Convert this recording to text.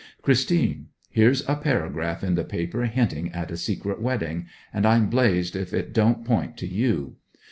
'Christine, here's a paragraph in the paper hinting at a secret wedding, and I'm blazed if it don't point to you.